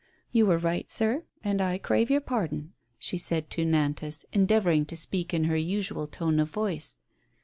"You were right, sir, and I crave your pardon," she said to Nantas, endeavoring to speak in her usual tone of voice.